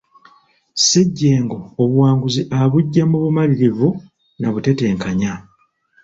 Ssejjengo obuwanguzi abuggya mu bumalirivu na butetenkanya.